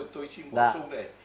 tôi xin bổ sung để